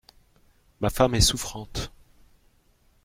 Ma femme est souffrante. …